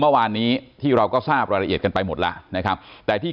เมื่อวานนี้ที่เราก็ทราบรายละเอียดกันไปหมดแล้วนะครับแต่ที่